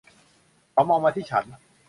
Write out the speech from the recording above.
เขามองมาที่ฉัน